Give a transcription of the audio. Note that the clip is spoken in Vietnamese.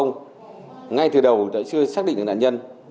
ngay từ đầu đã chưa xác định được nạn nhân